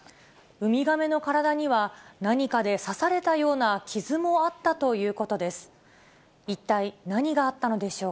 ウミガメの体には、何かで刺されたような傷もあったということです。